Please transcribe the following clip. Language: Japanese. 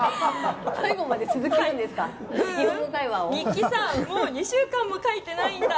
ううん、日記さもう２週間も書いてないんだ。